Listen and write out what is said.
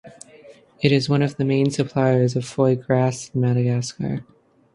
It is one of the main suppliers of foie gras in Madagascar.